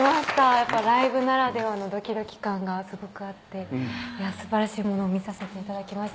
やっぱりライブならではのドキドキ感がすごくて素晴らしいものを見させていただきました。